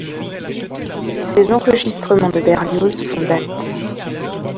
Ses enregistrements de Berlioz font date.